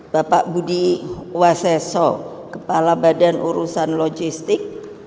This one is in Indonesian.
bapak budi waseso kepala badan urusan logistik